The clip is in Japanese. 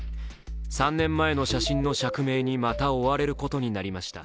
３年前の写真の釈明にまた追われることになりました。